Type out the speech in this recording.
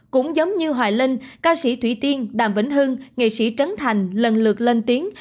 cũng giống như hoài linh ca sĩ thủy tiên đàm vĩnh hưng nghệ sĩ trấn thành lần lượt lên tiếng